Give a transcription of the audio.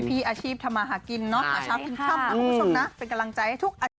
พี่อาชีพธรรมหากินเนอะชับทุกผู้ชมนะเป็นกำลังใจให้ทุกอาทิตย์